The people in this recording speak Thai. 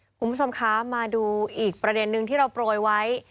คุณผู้ชมคะมาดูอีกประเด็นนึงที่เราโปรยไว้